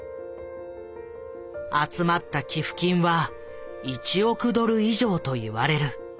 集まった寄付金は１億ドル以上といわれる。